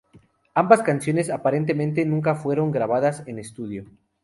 Ambas canciones -aparentemente- nunca fueron grabadas en estudio.